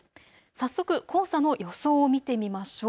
早速黄砂の予想を見てみましょう。